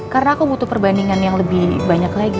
karena aku butuh perbandingan yang lebih banyak lagi